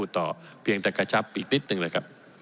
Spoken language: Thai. เท่ากันที่ฟ้า